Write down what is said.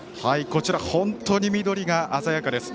こちら、本当に緑が鮮やかです。